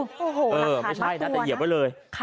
หลักขามาตัวนะเออไม่ใช่นะแต่เหยียบไว้เลย